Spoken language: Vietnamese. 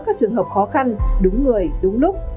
để đỡ các trường hợp khó khăn đúng người đúng lúc